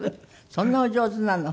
そんなお上手なの？